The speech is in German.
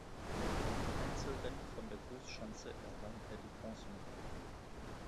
Im Einzelrennen von der Großschanze errang er die Bronzemedaille.